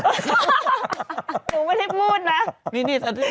หนูไม่ใช่มูดนะ